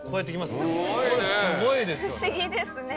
すごいですよね。